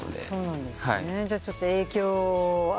そうなんですね。